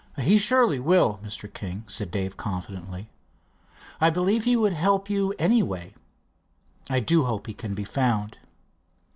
"He surely will, Mr. King," said Dave confidently. "I believe he would help you, anyway. I do hope he can be found."